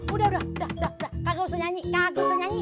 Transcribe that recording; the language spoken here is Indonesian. udah udah udah kaga usah nyanyi kaga usah nyanyi